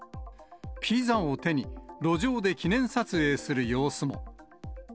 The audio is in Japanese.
ピザを手に、路上で記念撮影する様子も。